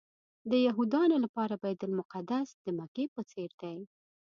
د یهودانو لپاره بیت المقدس د مکې په څېر دی.